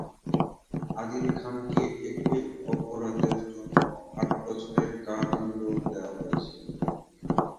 আদিল খানকে একই অপরাধের জন্য আট বছরের কারাদণ্ড দেওয়া হয়েছিল।